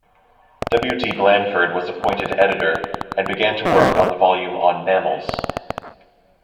W. T. Blanford was appointed editor and began work on the volume on mammals.